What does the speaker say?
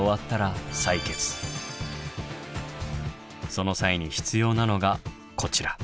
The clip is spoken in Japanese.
その際に必要なのがこちら。